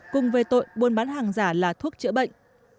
cùng về tội buôn bán hàng giả là thuốc chữa bệnh